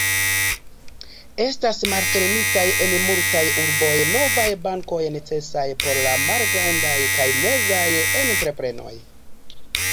Estas malfermitaj en multaj urboj novaj bankoj necesaj por la malgrandaj kaj mezaj entreprenoj.